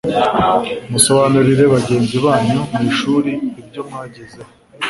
musobanurire bagenzi banyu mu ishuri ibyo mwagezeho